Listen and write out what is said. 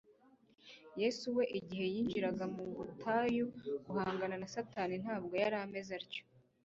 Yesu we igihe yinjiraga mu butayu guhangana na Satani ntabwo yari ameze atyo.